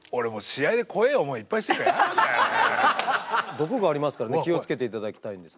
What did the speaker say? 毒がありますからね気を付けて頂きたいんですが。